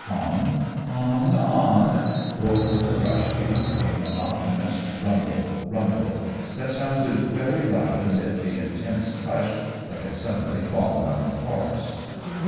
On, on, on rolled the droshky, a monotonous rumble, rumble, that sounded very loud amid the intense hush that had suddenly fallen on the forest.